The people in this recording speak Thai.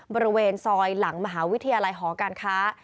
บริเวณซอยหลังมหาวิทยาลัยหอการค้า